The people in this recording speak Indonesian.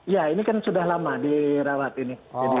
ya ini kan sudah lama dirawat ini